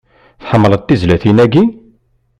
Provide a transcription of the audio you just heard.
Tḥemmleḍ tizlatin-agi?